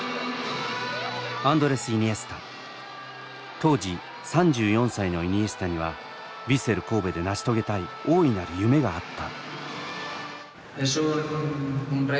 当時３４歳のイニエスタにはヴィッセル神戸で成し遂げたい大いなる夢があった！